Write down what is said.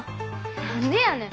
何でやねん！